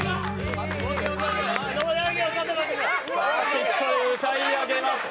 しっとり歌い上げました。